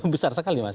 besar sekali mas